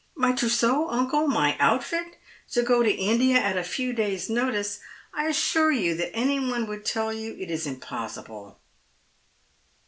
*' My trousseau, uncle — my outfit ? To go to India at a few days' notice I I assure you that any one would tell you it is impossible."